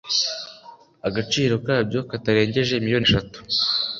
agaciro kabyo katarengeje miliyoni eshatu